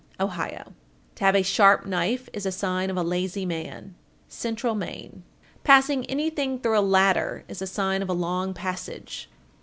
Ohio. 1466. To have a sharp knife is a sign of a lazy man. Central Maine. 1467. Passing anything through a ladder is a sign of a long passage.